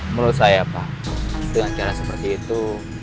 menurut saya pak dengan cara seperti itu